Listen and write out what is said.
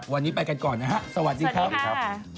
วันนี้ไปกันก่อนนะครับสวัสดีครับสวัสดีค่ะ